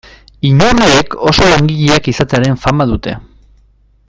Inurriek oso langileak izatearen fama dute.